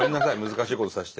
難しいことさせて。